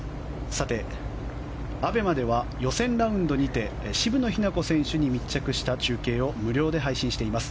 ＡＢＥＭＡでは予選ラウンドにて渋野日向子選手に密着した中継を無料で配信しています。